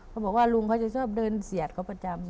เขาบอกว่าลุงเขาจะชอบเดินเสียดเขาประจำ